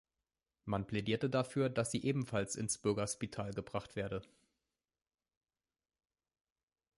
Man plädierte dafür, dass sie ebenfalls ins Bürgerspital gebracht werde.